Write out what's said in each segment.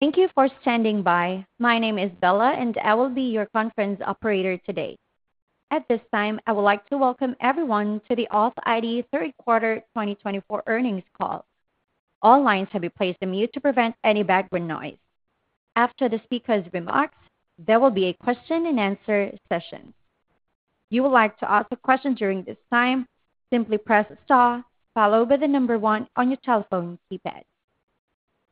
Thank you for standing by. My name is Bella, and I will be your conference operator today. At this time, I would like to welcome everyone to the authID Q3 2024 earnings call. All lines have been placed on mute to prevent any background noise. After the speaker's remarks, there will be a question-and-answer session. If you would like to ask a question during this time, simply press star, followed by the number one on your telephone keypad.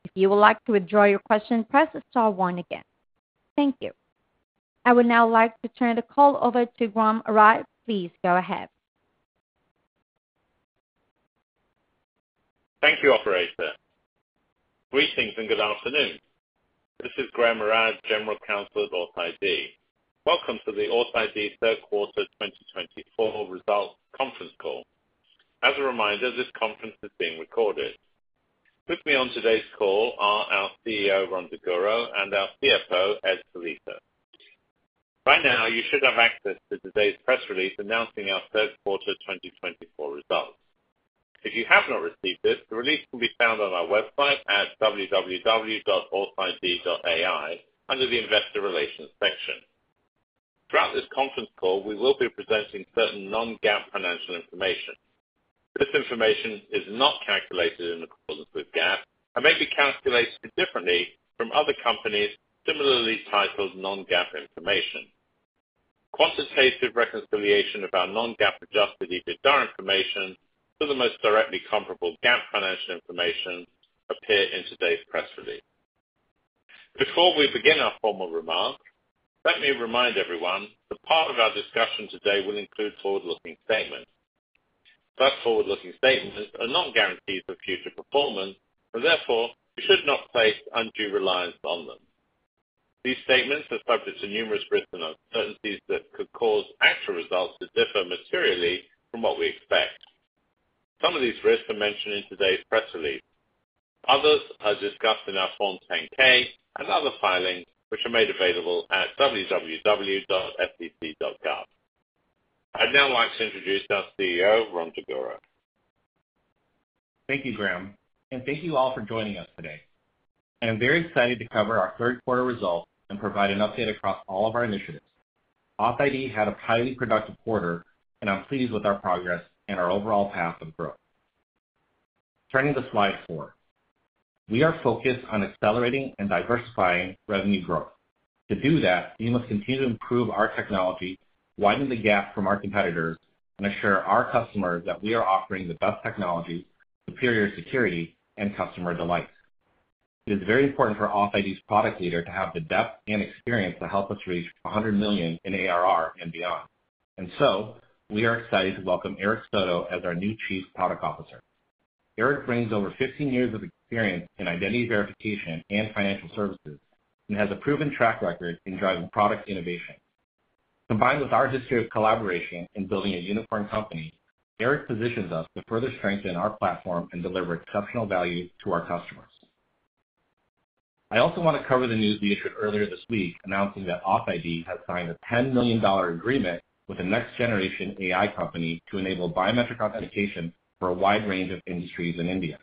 If you would like to withdraw your question, press star one again. Thank you. I would now like to turn the call over to Graham Arad. Please go ahead. Thank you, operator. Greetings and good afternoon. This is Graham Arad, General Counsel at authID. Welcome to the authID Q3 2024 results conference call. As a reminder, this conference is being recorded. With me on today's call are our CEO, Rhon Daguro, and our CFO, Ed Sellitto. Right now, you should have access to today's press release announcing our Q3 2024 results. If you have not received it, the release can be found on our website at www.authid.ai under the Investor Relations section. Throughout this conference call, we will be presenting certain non-GAAP financial information. This information is not calculated in accordance with GAAP and may be calculated differently from other companies' similarly titled non-GAAP information. Quantitative reconciliation of our non-GAAP Adjusted EBITDA information to the most directly comparable GAAP financial information appears in today's press release. Before we begin our formal remarks, let me remind everyone that part of our discussion today will include forward-looking statements. Such forward-looking statements are not guarantees of future performance, and therefore we should not place undue reliance on them. These statements are subject to numerous risks and uncertainties that could cause actual results to differ materially from what we expect. Some of these risks are mentioned in today's press release. Others are discussed in our Form 10-K and other filings which are made available at www.sec.gov. I'd now like to introduce our CEO, Rhon Daguro. Thank you, Graham, and thank you all for joining us today. I'm very excited to cover our Q3 results and provide an update across all of our initiatives. authID had a highly productive quarter, and I'm pleased with our progress and our overall path of growth. Turning to slide four, we are focused on accelerating and diversifying revenue growth. To do that, we must continue to improve our technology, widen the gap from our competitors, and assure our customers that we are offering the best technology, superior security, and customer delight. It is very important for authID's product leader to have the depth and experience to help us reach 100 million in ARR and beyond, and so we are excited to welcome Eric Soto as our new Chief Product Officer. Eric brings over 15 years of experience in identity verification and financial services and has a proven track record in driving product innovation. Combined with our history of collaboration and building a uniform company, Eric positions us to further strengthen our platform and deliver exceptional value to our customers. I also want to cover the news we issued earlier this week announcing that authID has signed a $10 million agreement with a next-generation AI company to enable biometric authentication for a wide range of industries in India.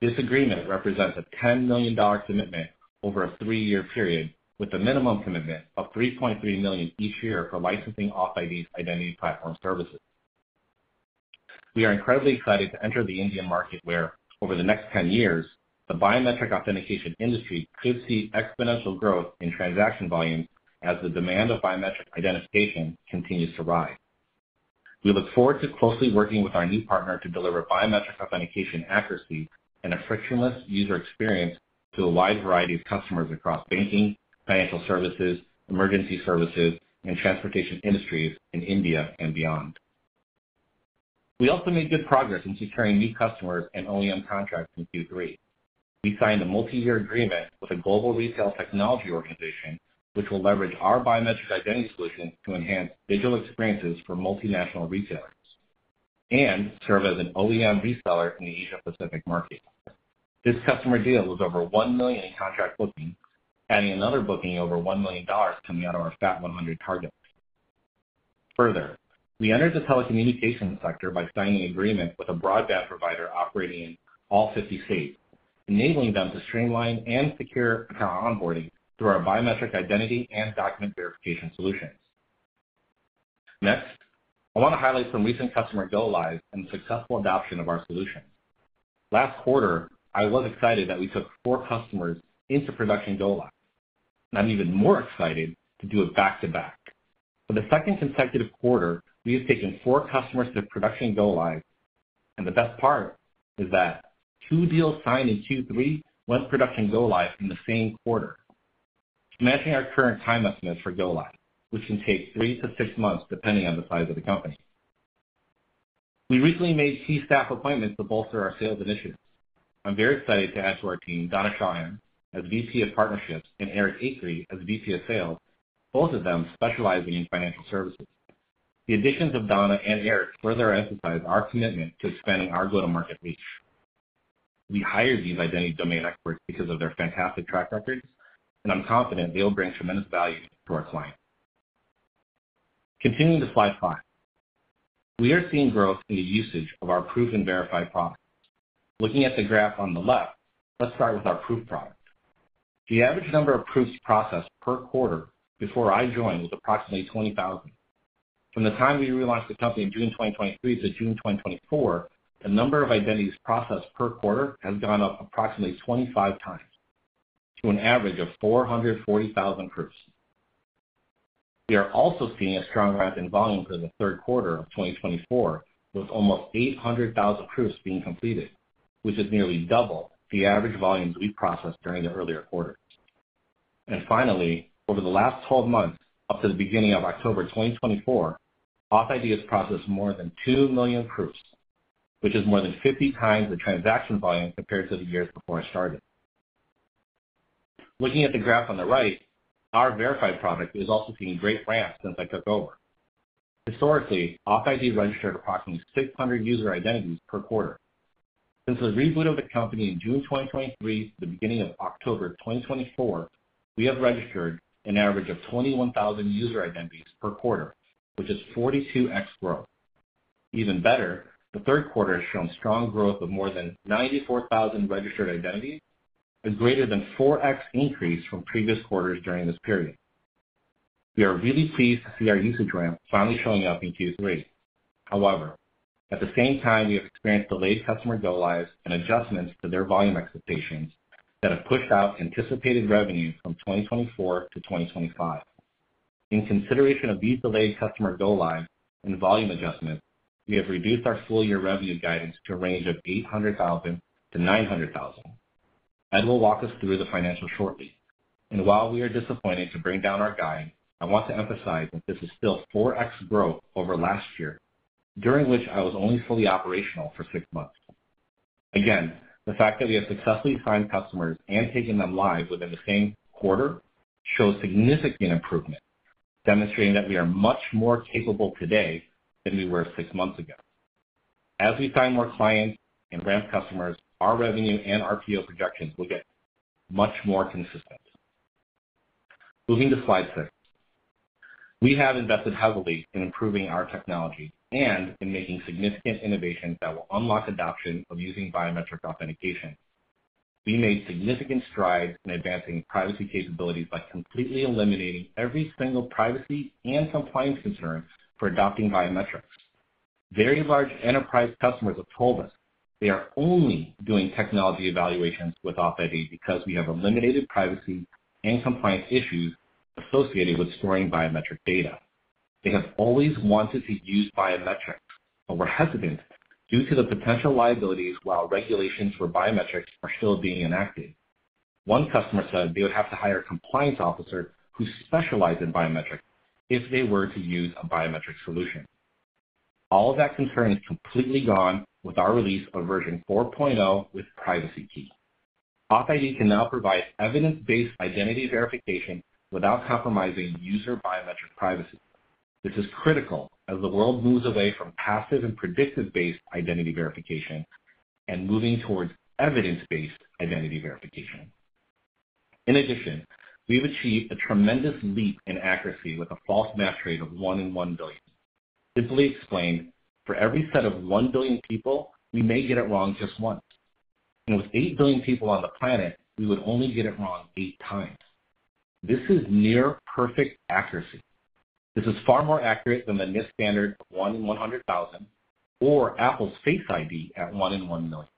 This agreement represents a $10 million commitment over a three-year period with a minimum commitment of $3.3 million each year for licensing authID's identity platform services. We are incredibly excited to enter the Indian market where, over the next 10 years, the biometric authentication industry could see exponential growth in transaction volumes as the demand of biometric identification continues to rise. We look forward to closely working with our new partner to deliver biometric authentication accuracy and a frictionless user experience to a wide variety of customers across banking, financial services, emergency services, and transportation industries in India and beyond. We also made good progress in securing new customers and OEM contracts in Q3. We signed a multi-year agreement with a global retail technology organization which will leverage our biometric identity solution to enhance digital experiences for multinational retailers and serve as an OEM reseller in the Asia-Pacific market. This customer deal was over $1 million in contract booking, adding another booking of over $1 million coming out of our Fortune 100 target. Further, we entered the telecommunications sector by signing an agreement with a broadband provider operating in all 50 states, enabling them to streamline and secure account onboarding through our biometric identity and document verification solutions. Next, I want to highlight some recent customer go-lives and successful adoption of our solutions. Last quarter, I was excited that we took four customers into production go-live. I'm even more excited to do it back-to-back. For the second consecutive quarter, we have taken four customers to production go-live. The best part is that two deals signed in Q3 went production go-live in the same quarter. Imagine our current time estimates for go-live, which can take three to six months depending on the size of the company. We recently made key staff appointments to bolster our sales initiatives. I'm very excited to add to our team Donna Shawhan as VP of Partnerships and Eric Akrey as VP of Sales, both of them specializing in financial services. The additions of Donna and Eric further emphasize our commitment to expanding our go-to-market reach. We hired these identity domain experts because of their fantastic track records, and I'm confident they'll bring tremendous value to our clients. Continuing to slide five, we are seeing growth in the usage of our Proof and Verified products. Looking at the graph on the left, let's start with our Proof product. The average number of proofs processed per quarter before I joined was approximately 20,000. From the time we relaunched the company in June 2023-June 2024, the number of identities processed per quarter has gone up approximately 25 times to an average of 440,000 proofs. We are also seeing a strong rise in volume for the Q3 of 2024, with almost 800,000 proofs being completed, which is nearly double the average volumes we processed during the earlier quarter. Finally, over the last 12 months up to the beginning of October 2024, authID has processed more than 2 million proofs, which is more than 50 times the transaction volume compared to the years before I started. Looking at the graph on the right, our verified product is also seeing great ramp since I took over. Historically, authID registered approximately 600 user identities per quarter. Since the reboot of the company in June 2023 to the beginning of October 2024, we have registered an average of 21,000 user identities per quarter, which is 42x growth. Even better, the Q3 has shown strong growth of more than 94,000 registered identities, a greater than 4x increase from previous quarters during this period. We are really pleased to see our usage ramp finally showing up in Q3. However, at the same time, we have experienced delayed customer go-lives and adjustments to their volume expectations that have pushed out anticipated revenue from 2024-2025. In consideration of these delayed customer go-lives and volume adjustments, we have reduced our full-year revenue guidance to a range of $800,000-$900,000. Ed will walk us through the financials shortly, and while we are disappointed to bring down our guide, I want to emphasize that this is still 4x growth over last year, during which I was only fully operational for six months. Again, the fact that we have successfully signed customers and taken them live within the same quarter shows significant improvement, demonstrating that we are much more capable today than we were six months ago. As we sign more clients and ramp customers, our revenue and our PO projections will get much more consistent. Moving to slide six, we have invested heavily in improving our technology and in making significant innovations that will unlock adoption of using biometric authentication. We made significant strides in advancing privacy capabilities by completely eliminating every single privacy and compliance concern for adopting biometrics. Very large enterprise customers have told us they are only doing technology evaluations with authID because we have eliminated privacy and compliance issues associated with storing biometric data. They have always wanted to use biometrics, but were hesitant due to the potential liabilities while regulations for biometrics are still being enacted. One customer said they would have to hire a compliance officer who specializes in biometrics if they were to use a biometric solution. All of that concern is completely gone with our release of Version 4.0 with Privacy Key. authID can now provide evidence-based identity verification without compromising user biometric privacy. This is critical as the world moves away from passive and predictive-based identity verification and moving towards evidence-based identity verification. In addition, we've achieved a tremendous leap in accuracy with a false match rate of one in one billion. Simply explained, for every set of one billion people, we may get it wrong just once. And with eight billion people on the planet, we would only get it wrong eight times. This is near-perfect accuracy. This is far more accurate than the NIST standard of one in 100,000 or Apple's Face ID at one in one million.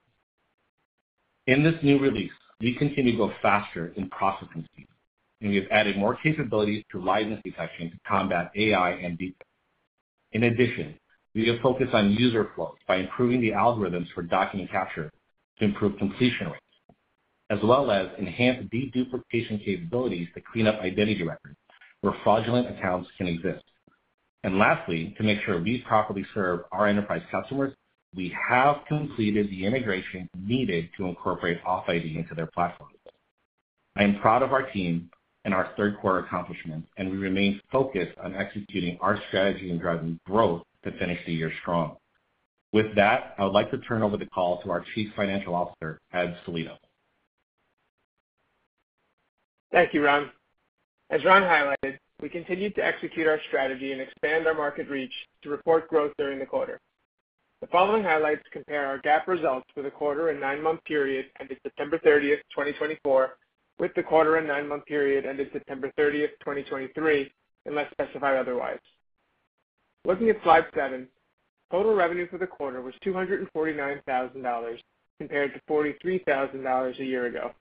In this new release, we continue to go faster in processing speed, and we have added more capabilities to liveness detection to combat AI and deepfake. In addition, we have focused on user flows by improving the algorithms for document capture to improve completion rates, as well as enhanced deduplication capabilities to clean up identity records where fraudulent accounts can exist, and lastly, to make sure we properly serve our enterprise customers, we have completed the integration needed to incorporate authID into their platform. I am proud of our team and our Q3 accomplishments, and we remain focused on executing our strategy and driving growth to finish the year strong. With that, I would like to turn over the call to our Chief Financial Officer, Ed Sellitto. Thank you, Rhon. As Rhon highlighted, we continue to execute our strategy and expand our market reach to report growth during the quarter. The following highlights compare our GAAP results for the Q4 and nine-month period ended September 30, 2024, with the Q4 and nine-month period ended September 30, 2023, unless specified otherwise. Looking at slide seven, total revenue for the quarter was $249,000 compared to $43,000 a year ago.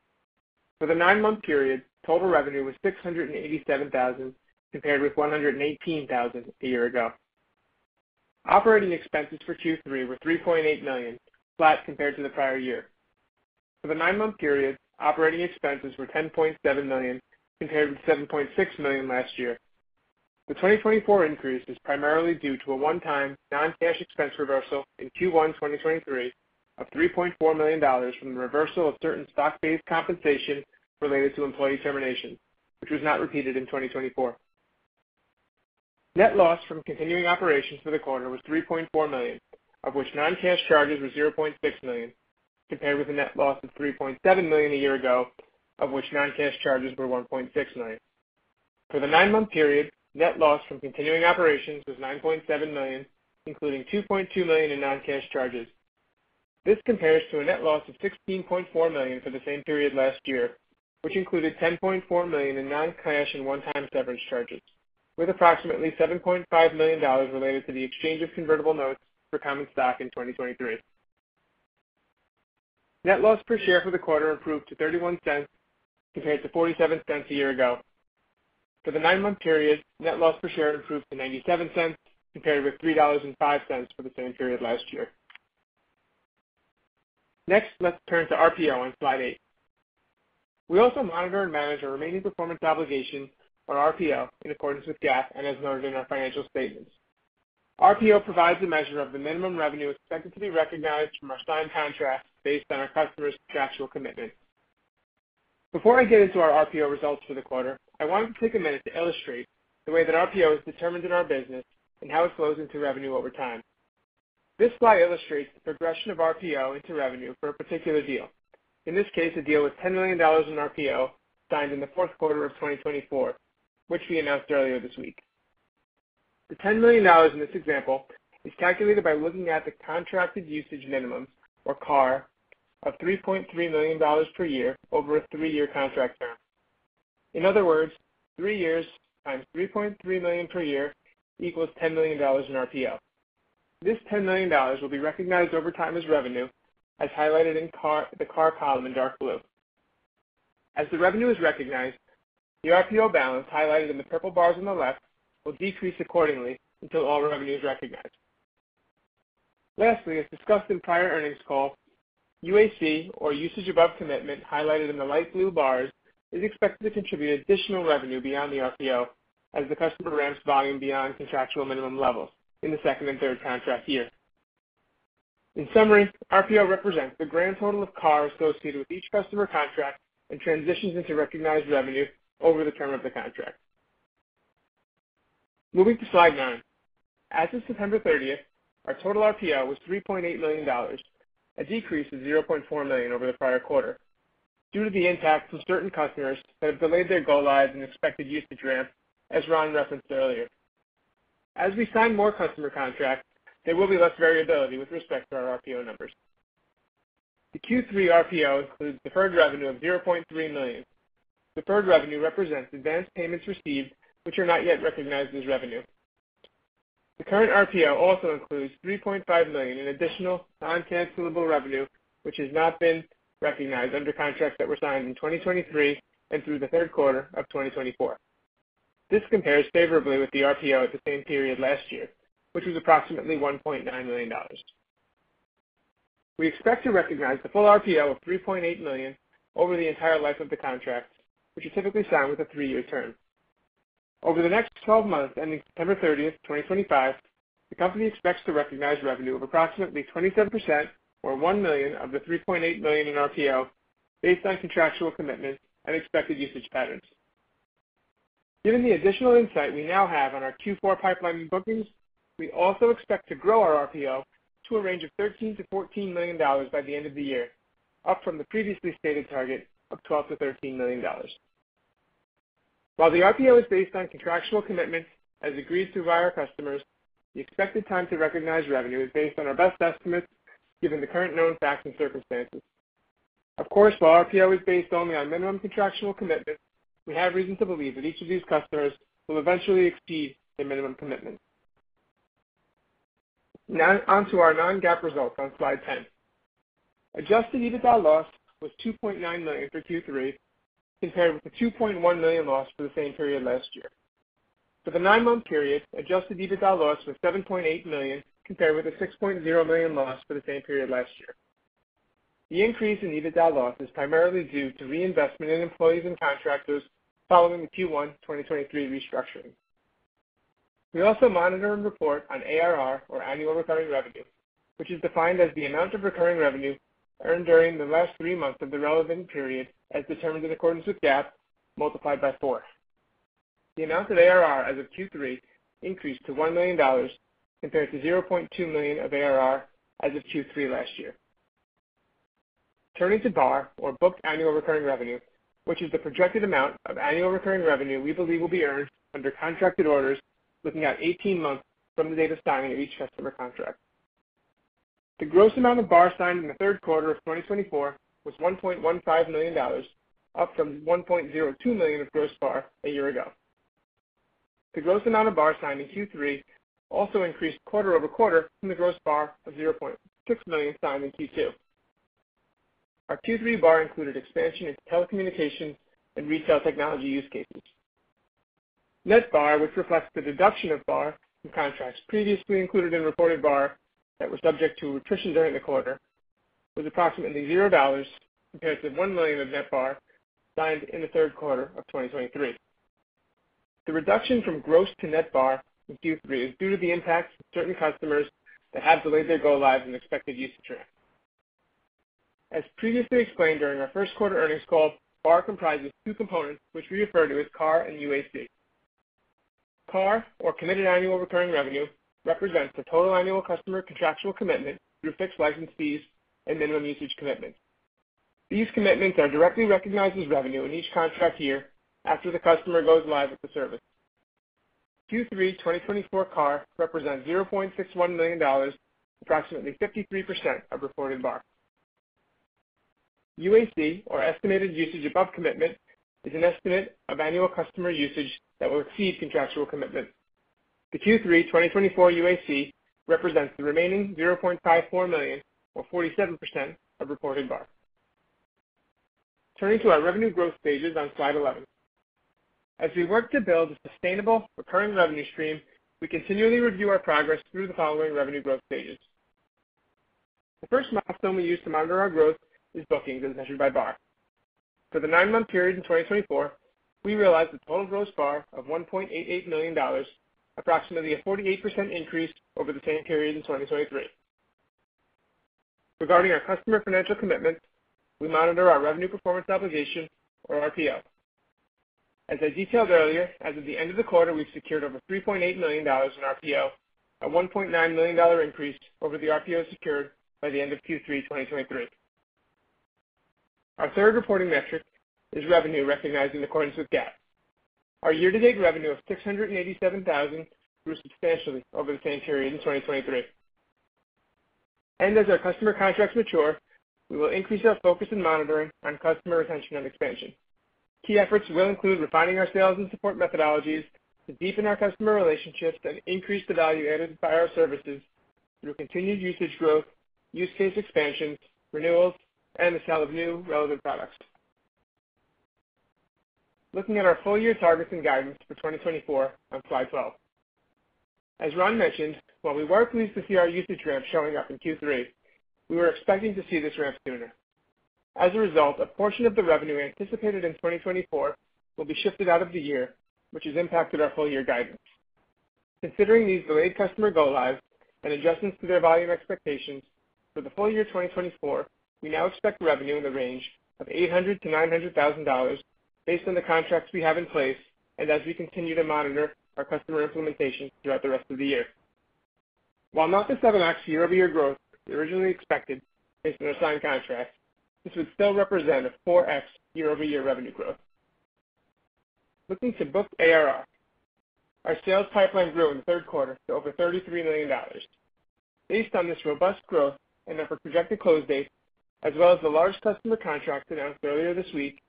For the nine-month period, total revenue was $687,000 compared with $118,000 a year ago. Operating expenses for Q3 were $3.8 million, flat compared to the prior year. For the nine-month period, operating expenses were $10.7 million compared with $7.6 million last year. The 2024 increase is primarily due to a one-time non-cash expense reversal in Q1, 2023, of $3.4 million from the reversal of certain stock-based compensation related to employee termination, which was not repeated in 2024. Net loss from continuing operations for the quarter was $3.4 million, of which non-cash charges were $0.6 million, compared with a net loss of $3.7 million a year ago, of which non-cash charges were $1.6 million. For the nine-month period, net loss from continuing operations was $9.7 million, including $2.2 million in non-cash charges. This compares to a net loss of $16.4 million for the same period last year, which included $10.4 million in non-cash and one-time severance charges, with approximately $7.5 million related to the exchange of convertible notes for common stock in 2023. Net loss per share for the quarter improved to $0.31 compared to $0.47 a year ago. For the nine-month period, net loss per share improved to $0.97 compared with $3.05 for the same period last year. Next, let's turn to RPO on slide eight. We also monitor and manage our remaining performance obligations on RPO in accordance with GAAP and as noted in our financial statements. RPO provides a measure of the minimum revenue expected to be recognized from our signed contracts based on our customer's contractual commitments. Before I get into our RPO results for the quarter, I wanted to take a minute to illustrate the way that RPO is determined in our business and how it flows into revenue over time. This slide illustrates the progression of RPO into revenue for a particular deal. In this case, a deal was $10 million in RPO signed in the Q4 of 2024, which we announced earlier this week. The $10 million in this example is calculated by looking at the contracted usage minimums, or CAR, of $3.3 million per year over a three-year contract term. In other words, three years times $3.3 million per year equals $10 million in RPO. This $10 million will be recognized over time as revenue, as highlighted in the CAR column in dark blue. As the revenue is recognized, the RPO balance highlighted in the purple bars on the left will decrease accordingly until all revenue is recognized. Lastly, as discussed in prior earnings call, UAC, or usage above commitment highlighted in the light blue bars, is expected to contribute additional revenue beyond the RPO as the customer ramps volume beyond contractual minimum levels in the second and third contract year. In summary, RPO represents the grand total of CAR associated with each customer contract and transitions into recognized revenue over the term of the contract. Moving to slide nine, as of September 30, our total RPO was $3.8 million, a decrease of $0.4 million over the prior quarter, due to the impact from certain customers that have delayed their go-lives and expected usage ramp, as Rhon referenced earlier. As we sign more customer contracts, there will be less variability with respect to our RPO numbers. The Q3 RPO includes deferred revenue of $0.3 million. Deferred revenue represents advanced payments received, which are not yet recognized as revenue. The current RPO also includes $3.5 million in additional non-cancelable revenue, which has not been recognized under contracts that were signed in 2023 and through the Q3 of 2024. This compares favorably with the RPO at the same period last year, which was approximately $1.9 million. We expect to recognize the full RPO of $3.8 million over the entire life of the contracts, which are typically signed with a three-year term. Over the next 12 months ending September 30, 2025, the company expects to recognize revenue of approximately 27% or $1 million of the $3.8 million in RPO based on contractual commitments and expected usage patterns. Given the additional insight we now have on our Q4 pipeline and bookings, we also expect to grow our RPO to a range of $13-$14 million by the end of the year, up from the previously stated target of $12-$13 million. While the RPO is based on contractual commitments as agreed to via our customers, the expected time to recognize revenue is based on our best estimates given the current known facts and circumstances. Of course, while RPO is based only on minimum contractual commitments, we have reason to believe that each of these customers will eventually exceed their minimum commitments. Now onto our non-GAAP results on slide 10. Adjusted EBITDA loss was $2.9 million for Q3, compared with a $2.1 million loss for the same period last year. For the nine-month period, adjusted EBITDA loss was $7.8 million compared with a $6.0 million loss for the same period last year. The increase in EBITDA loss is primarily due to reinvestment in employees and contractors following the Q1 2023 restructuring. We also monitor and report on ARR, or annual recurring revenue, which is defined as the amount of recurring revenue earned during the last three months of the relevant period as determined in accordance with GAAP, multiplied by four. The amount of ARR as of Q3 increased to $1 million compared to $0.2 million of ARR as of Q3 last year. Turning to BAR, or booked annual recurring revenue, which is the projected amount of annual recurring revenue we believe will be earned under contracted orders looking at 18 months from the date of signing of each customer contract. The gross amount of BAR signed in the Q3 of 2024 was $1.15 million, up from $1.02 million of gross BAR a year ago. The gross amount of BAR signed in Q3 also increased quarter over quarter from the gross BAR of $0.6 million signed in Q2. Our Q3 BAR included expansion into telecommunications and retail technology use cases. Net BAR, which reflects the deduction of BAR from contracts previously included in reported BAR that were subject to attrition during the quarter, was approximately $0 compared to $1 million of net BAR signed in the Q3 of 2023. The reduction from gross to net BAR in Q3 is due to the impact from certain customers that have delayed their go-lives and expected usage ramp. As previously explained during our Q1 earnings call, BAR comprises two components, which we refer to as CAR and UAC. CAR, or committed annual recurring revenue, represents the total annual customer contractual commitment through fixed license fees and minimum usage commitments. These commitments are directly recognized as revenue in each contract year after the customer goes live with the service. Q3 2024 CAR represents $0.61 million, approximately 53% of reported BAR. UAC, or estimated usage above commitment, is an estimate of annual customer usage that will exceed contractual commitments. The Q3 2024 UAC represents the remaining $0.54 million, or 47% of reported BAR. Turning to our revenue growth stages on slide 11. As we work to build a sustainable recurring revenue stream, we continually review our progress through the following revenue growth stages. The first milestone we use to monitor our growth is bookings as measured by BAR. For the nine-month period in 2024, we realized a total gross BAR of $1.88 million, approximately a 48% increase over the same period in 2023. Regarding our customer financial commitments, we monitor our revenue performance obligation, or RPO. As I detailed earlier, as of the end of the quarter, we've secured over $3.8 million in RPO, a $1.9 million increase over the RPO secured by the end of Q3 2023. Our third reporting metric is revenue recognized in accordance with GAAP. Our year-to-date revenue of $687,000 grew substantially over the same period in 2023, and as our customer contracts mature, we will increase our focus and monitoring on customer retention and expansion. Key efforts will include refining our sales and support methodologies to deepen our customer relationships and increase the value added by our services through continued usage growth, use case expansions, renewals, and the sale of new relevant products. Looking at our full-year targets and guidance for 2024 on slide 12. As Rhon mentioned, while we were pleased to see our usage ramp showing up in Q3, we were expecting to see this ramp sooner. As a result, a portion of the revenue anticipated in 2024 will be shifted out of the year, which has impacted our full-year guidance. Considering these delayed customer go-lives and adjustments to their volume expectations, for the full year 2024, we now expect revenue in the range of $800,000-$900,000 based on the contracts we have in place and as we continue to monitor our customer implementation throughout the rest of the year. While not the 7X year-over-year growth we originally expected based on our signed contracts, this would still represent a 4X year-over-year revenue growth. Looking to booked ARR, our sales pipeline grew in the Q3 to over $33 million. Based on this robust growth and our projected close date, as well as the large customer contracts announced earlier this week,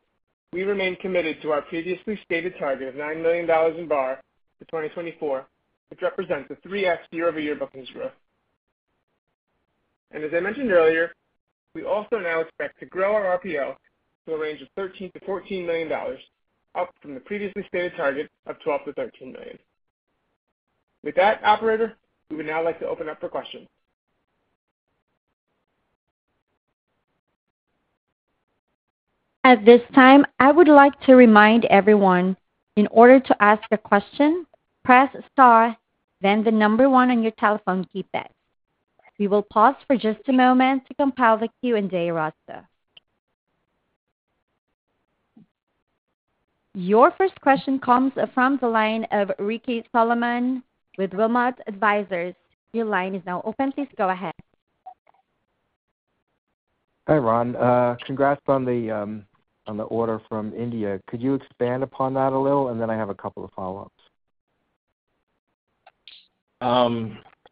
we remain committed to our previously stated target of $9 million in BAR for 2024, which represents a 3X year-over-year bookings growth. As I mentioned earlier, we also now expect to grow our RPO to a range of $13-$14 million, up from the previously stated target of $12-$13 million. With that, Operator, we would now like to open up for questions. At this time, I would like to remind everyone, in order to ask a question, press star, then the number one on your telephone keypad. We will pause for just a moment to compile the Q&A roster. Your first question comes from the line of Ricky Solomon with Wilmot Advisors. Your line is now open. Please go ahead. Hi, Rhon. Congrats on the order from India. Could you expand upon that a little, and then I have a couple of follow-ups.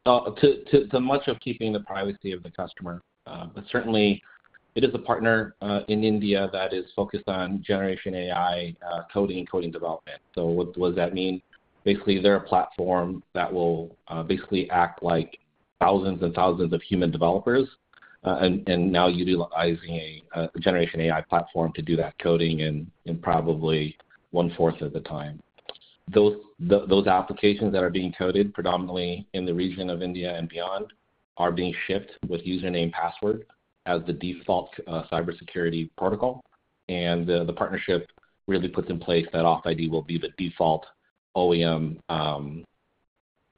So too much of keeping the privacy of the customer. But certainly, it is a partner in India that is focused on generative AI coding and coding development. So what does that mean? Basically, they're a platform that will basically act like thousands and thousands of human developers and now utilizing a generative AI platform to do that coding in probably one-fourth of the time. Those applications that are being coded, predominantly in the region of India and beyond, are being shipped with username password as the default cybersecurity protocol. And the partnership really puts in place that authID will be the default OEM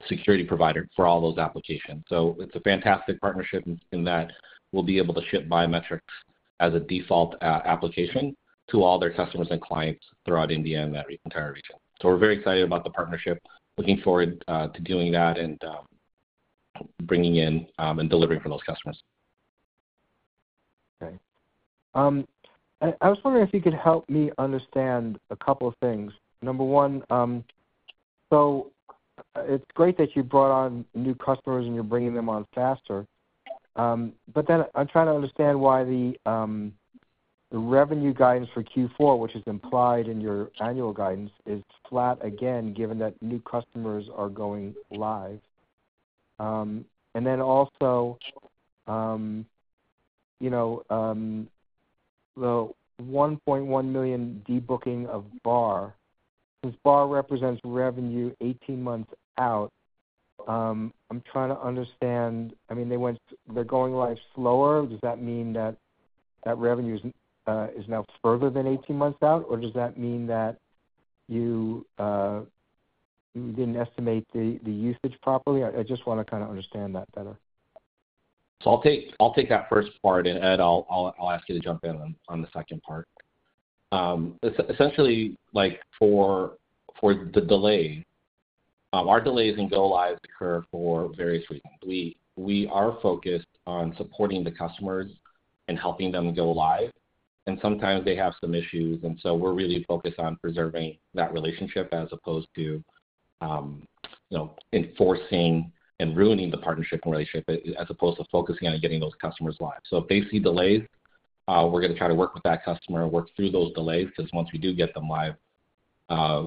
security provider for all those applications. So it's a fantastic partnership in that we'll be able to ship biometrics as a default application to all their customers and clients throughout India and that entire region. So we're very excited about the partnership, looking forward to doing that and bringing in and delivering for those customers. Okay. I was wondering if you could help me understand a couple of things. Number one, so it's great that you brought on new customers and you're bringing them on faster. But then I'm trying to understand why the revenue guidance for Q4, which is implied in your annual guidance, is flat again, given that new customers are going live. And then also, the $1.1 million debooking of BAR, since BAR represents revenue 18 months out, I'm trying to understand, I mean, they're going live slower. Does that mean that that revenue is now further than 18 months out? Or does that mean that you didn't estimate the usage properly? I just want to kind of understand that better. So I'll take that first part and I'll ask you to jump in on the second part. Essentially, for the delay, our delays in go-lives occur for various reasons. We are focused on supporting the customers and helping them go live. And sometimes they have some issues. And so we're really focused on preserving that relationship as opposed to enforcing and ruining the partnership and relationship as opposed to focusing on getting those customers live. So if they see delays, we're going to try to work with that customer, work through those delays, because once we do get them live,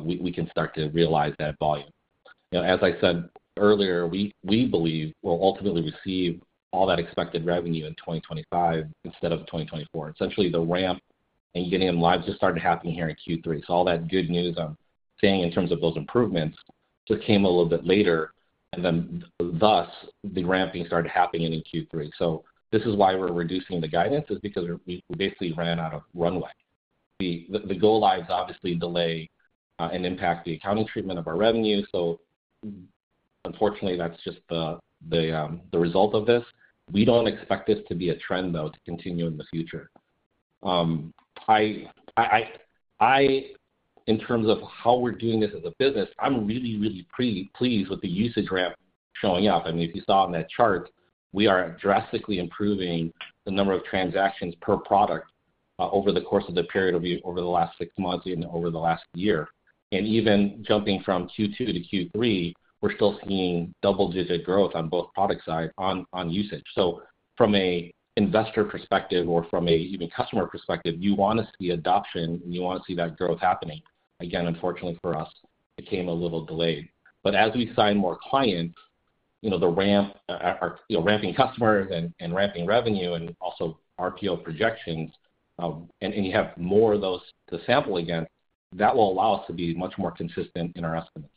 we can start to realize that volume. As I said earlier, we believe we'll ultimately receive all that expected revenue in 2025 instead of 2024. Essentially, the ramp and getting them live just started happening here in Q3. So all that good news I'm saying in terms of those improvements just came a little bit later. And then thus, the ramping started happening in Q3. So this is why we're reducing the guidance, is because we basically ran out of runway. The go-lives obviously delay and impact the accounting treatment of our revenue. So unfortunately, that's just the result of this. We don't expect this to be a trend, though, to continue in the future. In terms of how we're doing this as a business, I'm really, really pleased with the usage ramp showing up. I mean, if you saw on that chart, we are drastically improving the number of transactions per product over the course of the period over the last six months and over the last year. And even jumping from Q2 to Q3, we're still seeing double-digit growth on both product sides on usage. So from an investor perspective or from a customer perspective, you want to see adoption and you want to see that growth happening. Again, unfortunately for us, it came a little delayed. But as we sign more clients, the ramping customers and ramping revenue and also RPO projections, and you have more of those to sample against, that will allow us to be much more consistent in our estimates.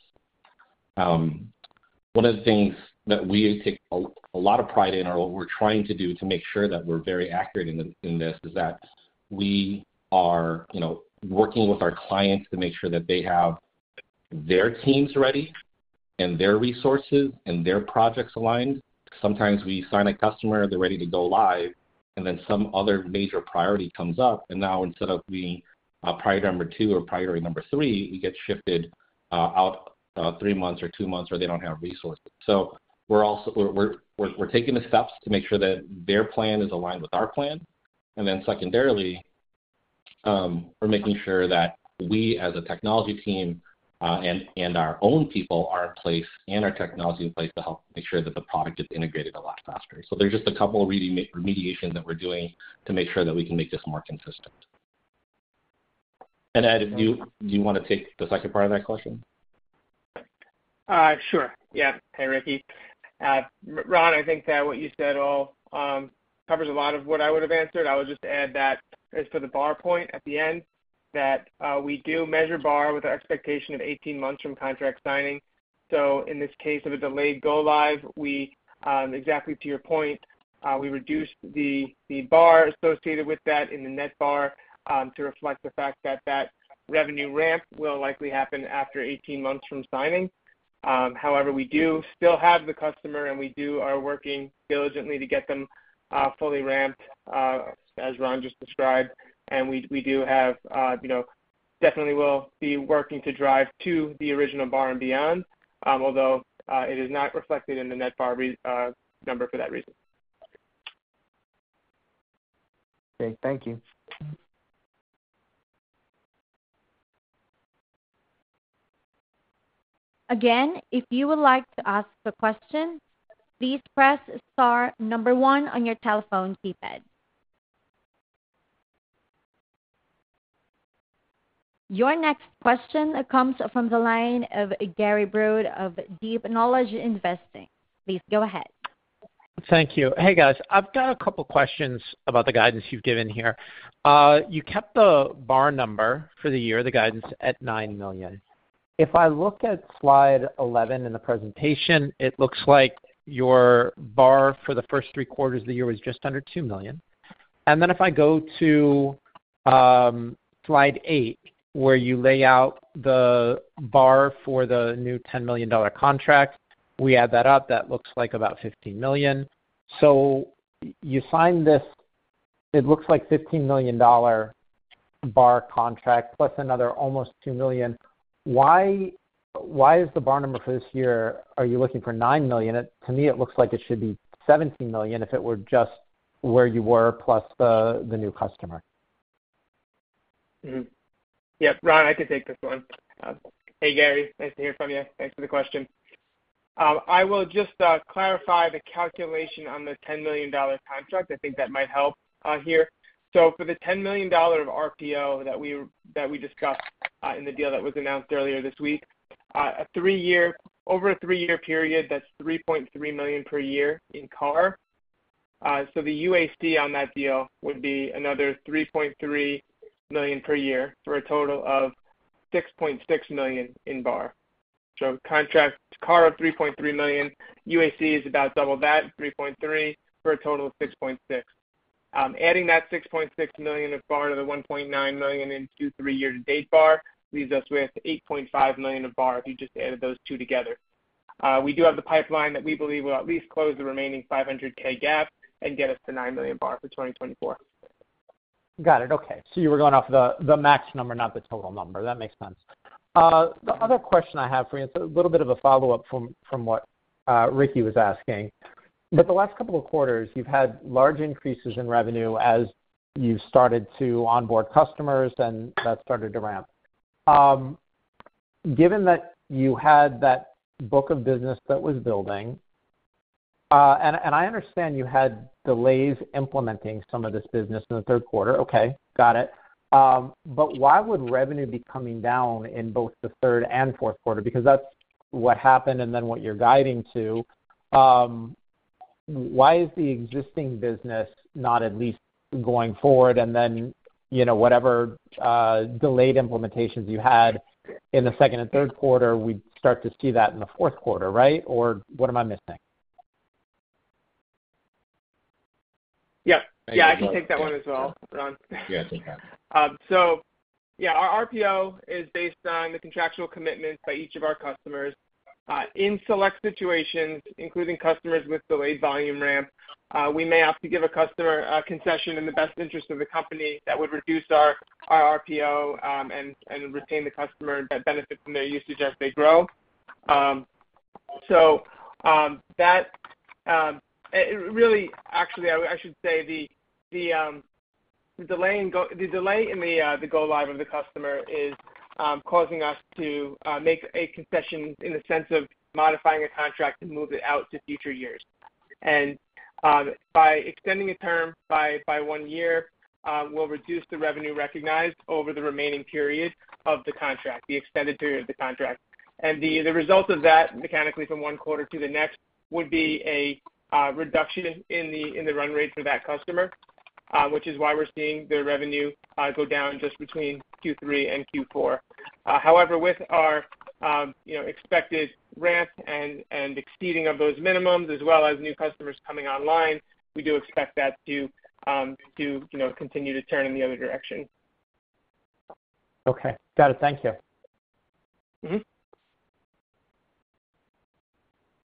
One of the things that we take a lot of pride in or what we're trying to do to make sure that we're very accurate in this is that we are working with our clients to make sure that they have their teams ready and their resources and their projects aligned. Sometimes we sign a customer, they're ready to go live, and then some other major priority comes up. Now instead of being priority number two or priority number three, we get shifted out three months or two months or they don't have resources. We're taking the steps to make sure that their plan is aligned with our plan. Then secondarily, we're making sure that we as a technology team and our own people are in place and our technology in place to help make sure that the product is integrated a lot faster. There's just a couple of remediations that we're doing to make sure that we can make this more consistent. Ed, do you want to take the second part of that question? Sure. Yeah. Hey, Ricky. Ron, I think that what you said all covers a lot of what I would have answered. I would just add that as for the BAR point at the end, that we do measure BAR with an expectation of 18 months from contract signing. So in this case of a delayed go-live, exactly to your point, we reduced the BAR associated with that in the net BAR to reflect the fact that that revenue ramp will likely happen after 18 months from signing. However, we do still have the customer and we are working diligently to get them fully ramped, as Ron just described. And we do have definitely will be working to drive to the original BAR and beyond, although it is not reflected in the net BAR number for that reason. Okay. Thank you. Again, if you would like to ask a question, please press star number one on your telephone keypad. Your next question comes from the line of Gary Brode of Deep Knowledge Investing. Please go ahead. Thank you. Hey, guys. I've got a couple of questions about the guidance you've given here. You kept the BAR number for the year, the guidance at $9 million. If I look at slide 11 in the presentation, it looks like your BAR for the first three quarters of the year was just under $2 million. And then if I go to slide 8, where you lay out the BAR for the new $10 million contract, we add that up, that looks like about $15 million. So you signed this, it looks like $15 million BAR contract plus another almost $2 million. Why is the BAR number for this year, are you looking for $9 million? To me, it looks like it should be $17 million if it were just where you were plus the new customer. Yep. Rhon, I can take this one. Hey, Gary. Nice to hear from you. Thanks for the question. I will just clarify the calculation on the $10 million contract. I think that might help here. So for the $10 million of RPO that we discussed in the deal that was announced earlier this week, over a three-year period, that's 3.3 million per year in CAR. So the UAC on that deal would be another 3.3 million per year for a total of 6.6 million in BAR. So contract CAR of 3.3 million, UAC is about double that, 3.3, for a total of 6.6. Adding that 6.6 million of BAR to the 1.9 million in Q3 year-to-date BAR leaves us with 8.5 million of BAR if you just added those two together. We do have the pipeline that we believe will at least close the remaining 500K gap and get us to 9 million BAR for 2024. Got it. Okay, so you were going off the max number, not the total number. That makes sense. The other question I have for you, it's a little bit of a follow-up from what Rikki was asking, but the last couple of quarters, you've had large increases in revenue as you've started to onboard customers and that started to ramp. Given that you had that book of business that was building, and I understand you had delays implementing some of this business in the third quarter. Okay. Got it, but why would revenue be coming down in both the third and fourth quarter? Because that's what happened and then what you're guiding to. Why is the existing business not at least going forward, and then whatever delayed implementations you had in the second and third quarter, we start to see that in the fourth quarter, right? Or what am I missing? Yeah. Yeah, I can take that one as well, Rhon. Yeah, take that. So yeah, our RPO is based on the contractual commitments by each of our customers. In select situations, including customers with delayed volume ramp, we may have to give a customer a concession in the best interest of the company that would reduce our RPO and retain the customer that benefits from their usage as they grow. So that really, actually, I should say the delay in the go-live of the customer is causing us to make a concession in the sense of modifying a contract and move it out to future years. And by extending a term by one year, we'll reduce the revenue recognized over the remaining period of the contract, the extended period of the contract. And the result of that mechanically from one quarter to the next would be a reduction in the run rate for that customer, which is why we're seeing the revenue go down just between Q3 and Q4. However, with our expected ramp and exceeding of those minimums, as well as new customers coming online, we do expect that to continue to turn in the other direction. Okay. Got it. Thank you.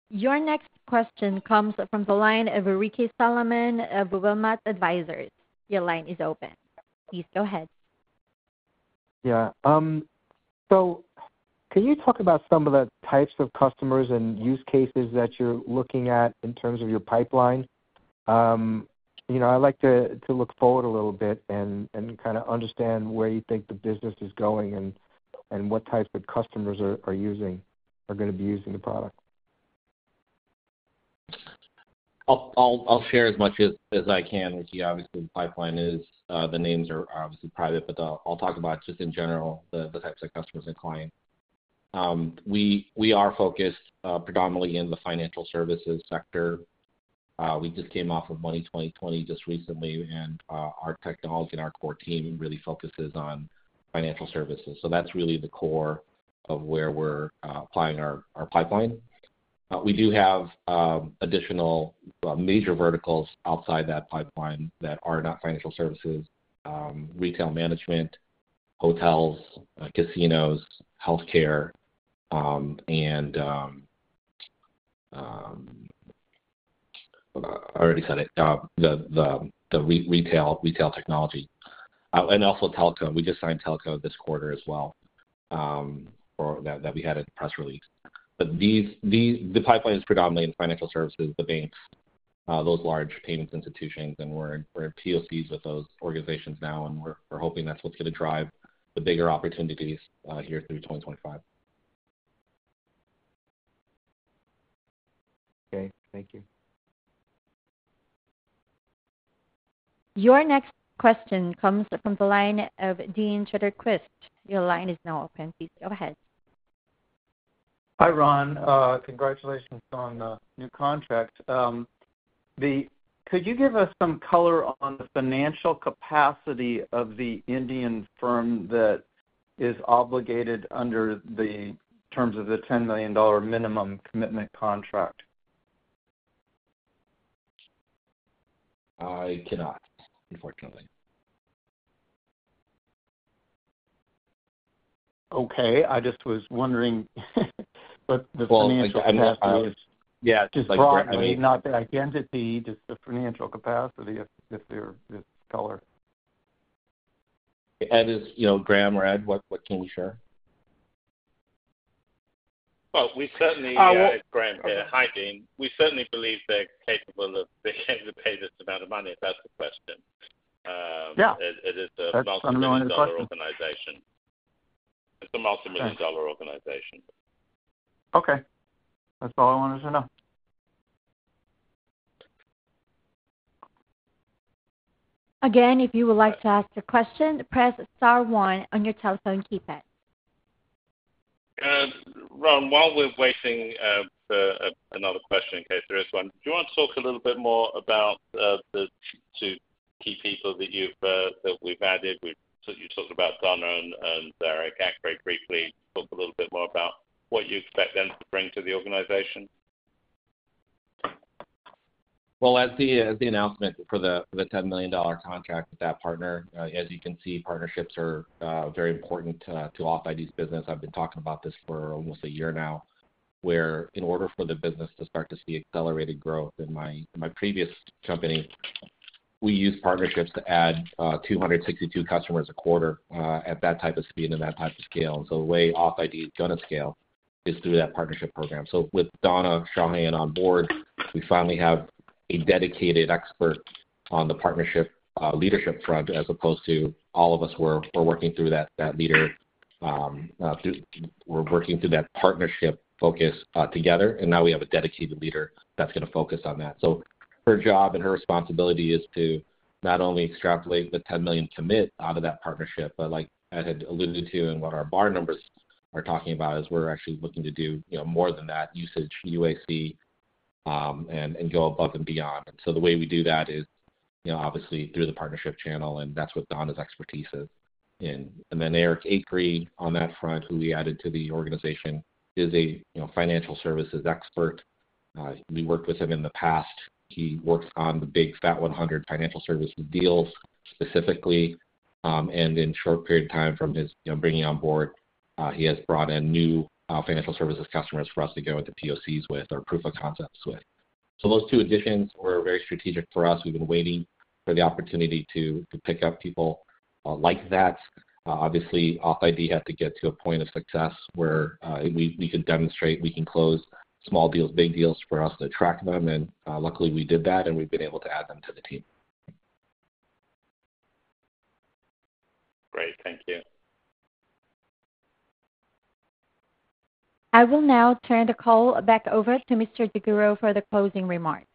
Your next question comes from the line of Ricky Salomon of Wilmot Advisors. Your line is open. Please go ahead. Yeah. So can you talk about some of the types of customers and use cases that you're looking at in terms of your pipeline? I like to look forward a little bit and kind of understand where you think the business is going and what types of customers are going to be using the product. I'll share as much as I can. Ricky, obviously, the pipeline, the names are obviously private, but I'll talk about just in general the types of customers and clients. We are focused predominantly in the financial services sector. We just came off of Money 2020 just recently, and our technology and our core team really focuses on financial services. So that's really the core of where we're applying our pipeline. We do have additional major verticals outside that pipeline that are not financial services: retail management, hotels, casinos, healthcare, and I already said it, the retail technology, and also telco. We just signed telco this quarter as well that we had a press release, but the pipeline is predominantly in financial services, the banks, those large payments institutions. We're in POCs with those organizations now, and we're hoping that's what's going to drive the bigger opportunities here through 2025. Okay. Thank you. Your next question comes from the line of Dean Zetterqvist. Your line is now open. Please go ahead. Hi, Rhon. Congratulations on the new contract. Could you give us some color on the financial capacity of the Indian firm that is obligated under the terms of the $10 million minimum commitment contract? I cannot, unfortunately. Okay. I just was wondering what the financial capacity is? Well, I mean, yeah, just broadly. I mean, not the identity, just the financial capacity, if there is color. Ed is Graham or Ed? What can you share? We certainly. Oh. Graham here. Hi, Dean. We certainly believe they're capable of being able to pay this amount of money, if that's the question. It is a multi-million-dollar organization. Yeah. Okay. That's all I wanted to know. Again, if you would like to ask a question, press star one on your telephone keypad. Rhon, while we're waiting for another question in case there is one, do you want to talk a little bit more about the two key people that we've added? You talked about Donna and Eric very briefly. Talk a little bit more about what you expect them to bring to the organization. As the announcement for the $10 million contract with that partner, as you can see, partnerships are very important to authID's business. I've been talking about this for almost a year now, where in order for the business to start to see accelerated growth in my previous company, we used partnerships to add 262 customers a quarter at that type of speed and that type of scale. And so the way authID's going to scale is through that partnership program. So with Donna Schrayer on board, we finally have a dedicated expert on the partnership leadership front, as opposed to all of us were working through that leader. We're working through that partnership focus together, and now we have a dedicated leader that's going to focus on that. So her job and her responsibility is to not only extrapolate the 10 million commit out of that partnership, but like I had alluded to and what our BAR numbers are talking about, is we're actually looking to do more than that usage, UAC, and go above and beyond, and so the way we do that is obviously through the partnership channel, and that's what Donna's expertise is, and then Eric Akrey on that front, who we added to the organization, is a financial services expert. We worked with him in the past. He works on the big Fortune 100 financial services deals specifically, and in a short period of time from his bringing on board, he has brought in new financial services customers for us to go into POCs with or proof of concepts with, so those two additions were very strategic for us. We've been waiting for the opportunity to pick up people like that. Obviously, authID had to get to a point of success where we could demonstrate we can close small deals, big deals for us to attract them. And luckily, we did that, and we've been able to add them to the team. Great. Thank you. I will now turn the call back over to Mr. Daguro for the closing remarks.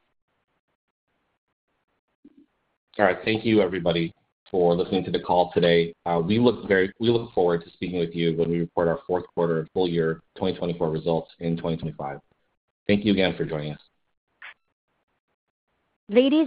All right. Thank you, everybody, for listening to the call today. We look forward to speaking with you when we report our fourth quarter full year 2024 results in 2025. Thank you again for joining us. Lady.